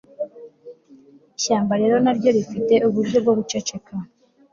Ishyamba rero naryo rifite uburyo bwo guceceka